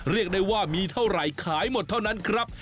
เรียกได้ว่ามีเท่าไหร่ขายหมดเท่านั้นครับ